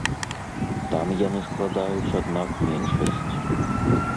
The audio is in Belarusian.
Там яны складаюць, аднак, меншасць.